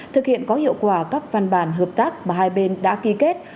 thực hiện có hiệu quả các văn bản hợp tác mà hai bên đã ký kết